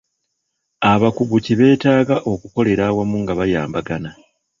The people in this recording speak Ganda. Abakugu ki beetaaga okukolera awamu nga bayambagana